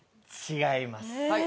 違います。